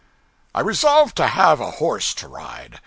I resolved to have a horse to ride.